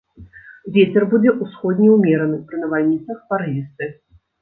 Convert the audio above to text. Вецер будзе ўсходні ўмераны, пры навальніцах парывісты.